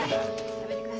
やめてください。